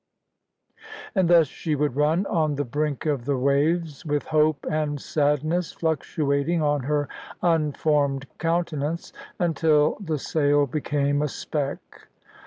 And thus she would run on the brink of the waves with hope and sadness fluctuating on her unformed countenance, until the sail became a speck.